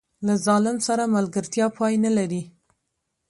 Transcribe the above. له ظالم سره ملګرتیا پای نه لري.